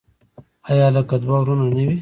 آیا لکه دوه ورونه نه وي؟